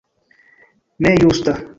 Ne justa!